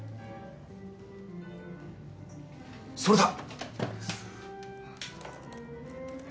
それだ。